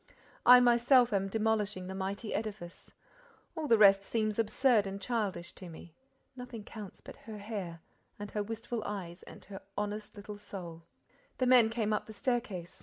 I myself am demolishing the mighty edifice.—All the rest seems absurd and childish to me—nothing counts but her hair—and her wistful eyes—and her honest little soul—" The men came up the staircase.